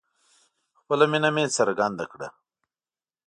خپله مینه مې څرګنده کړه